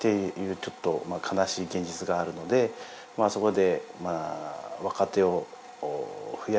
ちょっと悲しい現実があるのでそこで。